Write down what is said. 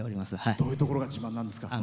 どういうところが自慢なんですか？